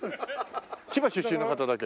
千葉出身の方だけ？